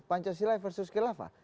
pancasila versus kelapa